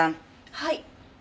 はい。